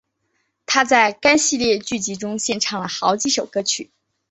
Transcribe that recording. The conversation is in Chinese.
她在该系列剧集中献唱了好几首歌曲。